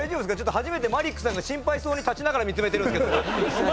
初めてマリックさんが心配そうに立ちながら見つめてるんですけど。